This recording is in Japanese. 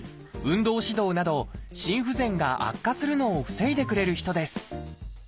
運動指導など心不全が悪化するのを防いでくれる人です。